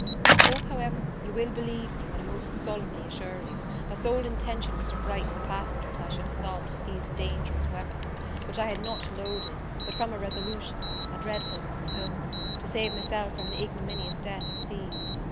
I hope, however, you will believe me, when I most solemnly assure you, my sole intention was to frighten the passengers I should assault with these dangerous weapons; which I had not loaded but from a resolution, a dreadful one, I own, to save myself from an ignominious death if seized.